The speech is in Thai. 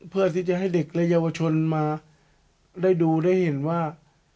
เพื่อที่จะให้เด็กและเยาวชนมาได้ดูได้เห็นว่า